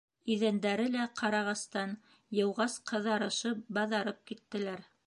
Иҙәндәре лә ҡарағастан, йыуғас, ҡыҙарышып, баҙырап киттеләр.